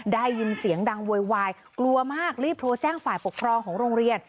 ได้ยินเสียงดังโวยวายกลัวมากรีบโทรแจ้งฝ่ายปกครองของโรงเรียน